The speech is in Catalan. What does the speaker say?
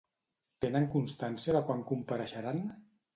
Tenen constància de quan compareixeran?